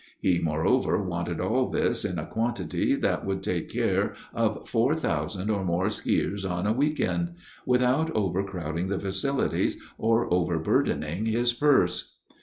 He, moreover, wanted all this in a quantity that would take care of four thousand or more skiers on a week end, without overcrowding the facilities or overburdening his purse.